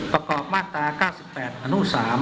ประกอบมาตรา๙๘อนุ๓